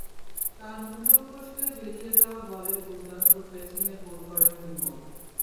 তাঁর মুঠো ফসকে বেরিয়ে যাওয়া বলে দুর্দান্ত প্লেসিংয়ে গোল করেন বিমল।